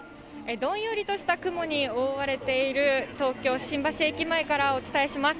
どんよりとした雲に覆われている東京・新橋駅前からお伝えします。